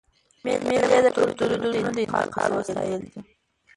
مېلې د کلتوري دودونو د انتقال وسایل دي.